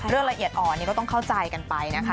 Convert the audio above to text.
ละเอียดอ่อนนี่ก็ต้องเข้าใจกันไปนะคะ